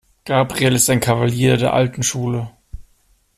Gabriel ist ein Kavalier der alten Schule.